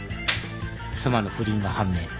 妻の不倫が判明。